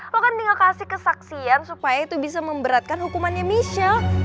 lo kan tinggal kasih kesaksian supaya itu bisa memberatkan hukumannya michelle